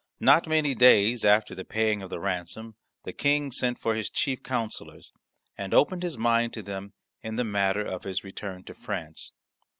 Not many days after the paying of the ransom the King sent for his chief counsellors and opened his mind to them in the matter of his return to France.